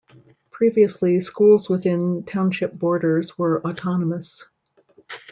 Previously, schools within township borders were autonomous.